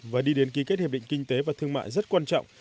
và đi đến ký kết hiệp định kinh tế và thương mại rất quan trọng